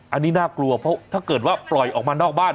อันนี้น่ากลัวเพราะถ้าเกิดว่าปล่อยออกมานอกบ้าน